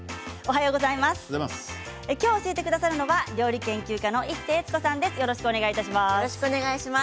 今日教えてくださるのは料理研究家の市瀬悦子さんです。